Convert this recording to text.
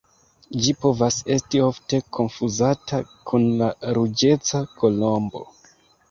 Ĝi povas esti ofte konfuzata kun la Ruĝeca kolombo.